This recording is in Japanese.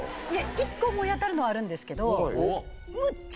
１個思い当たるのはあるんですけどムッチャ